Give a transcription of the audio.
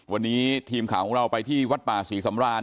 วันนี้ทีมข่าวของเราไปที่วัดป่าศรีสำราน